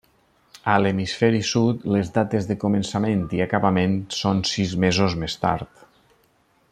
A l'hemisferi sud, les dates de començament i acabament són sis mesos més tard.